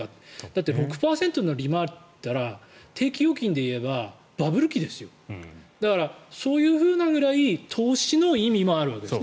だって６％の利回りっていったら定期預金でいえばバブル期ですよだから、そういうぐらい投資の意味もあるわけです。